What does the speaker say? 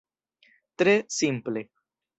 Tre simple.